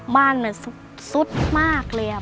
บ้านมันซุดมากเลย